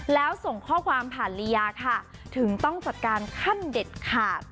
แล้วส่งข้อความผ่านลียาค่ะถึงต้องจัดการขั้นเด็ดขาด